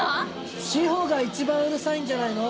志法が一番うるさいんじゃないの？